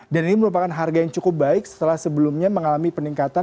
dan ini merupakan harga yang cukup baik setelah sebelumnya mengalami peningkatan